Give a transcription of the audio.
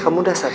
kamu bisa jalan